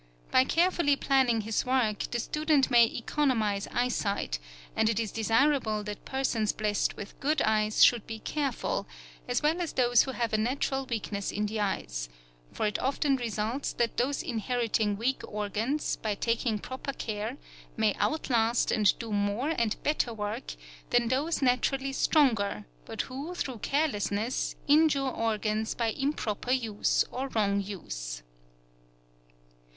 By carefully planning his work the student may economize eyesight, and it is desirable that persons blessed with good eyes should be careful, as well as those who have a natural weakness in the eyes; for it often results that those inheriting weak organs, by taking proper care, may outlast and do more and better work than those naturally stronger, but who through carelessness injure organs by improper use or wrong use.